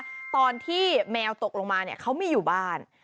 อันนี้ครับตอนที่แมวตกลงมาเขาไม่อยู่บ้าน